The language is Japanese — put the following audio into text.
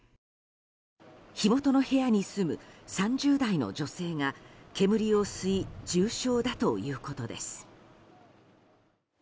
火元の部屋に住む３０代の女性が煙を吸い重傷だということです。